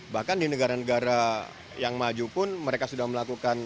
bahkan di negara negara yang maju pun mereka sudah melakukan